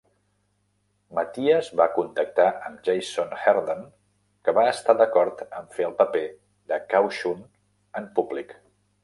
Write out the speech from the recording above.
Matias va contactar amb Jason Herndon, que va estar d'acord en fer el paper de Caushun en públic.